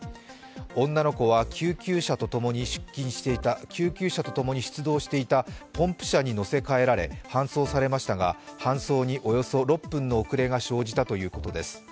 女の子は、救急車とともに出動していたポンプ車に乗せかえられ搬送されましたが搬送におよそ６分の遅れが生じたということです。